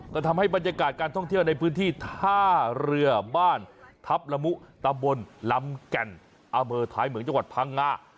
ก็ทำให้บรรยากาศการท่องเที่ยวในพื้นที่ท่าเรือบ้านทัพละมุตำบลลำแก่นอำเภอท้ายเหมืองจังหวัดพังงา